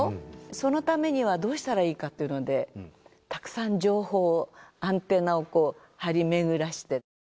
そのためにはどうしたらいいかっていうのでたくさん情報をアンテナをこう張り巡らせて。